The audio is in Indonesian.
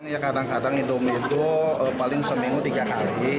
ya kadang kadang indomi itu paling seminggu tiga kali